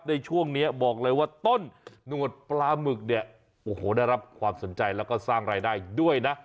ในช่วงนี้บอกเลยว่าต้นหนวดปลาหมึกเนี่ยโอ้โหได้รับความสนใจแล้วก็สร้างรายได้ด้วยนะ